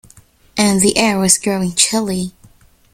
And the air was growing chilly.